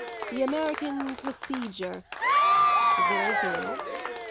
the American procedure. Is there anything else?